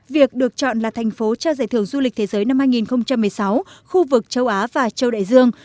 việc được chọn là thành phố trao giải thưởng du lịch thế giới năm hai nghìn một mươi sáu khu vực châu á và châu đại dương